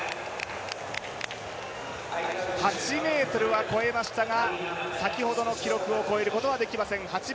８ｍは越えましたが先ほどの記録を超えることはできません。